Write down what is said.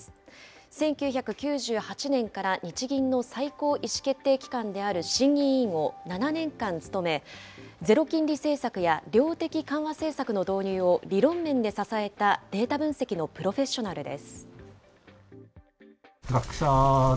１９９８年から日銀の最高意思決定機関である審議委員を７年間務め、ゼロ金利政策や量的緩和政策の導入を理論面で支えたデータ分析のプロフェッショナルです。